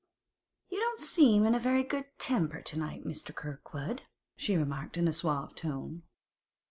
'You don't seem in a very good temper to night, Mr. Kirkwood.' she remarked in a suave tone.